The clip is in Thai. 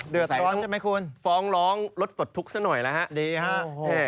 เดี๋ยวแต่ฟ้องร้องรถปลดทุกข์ซะหน่อยนะฮะ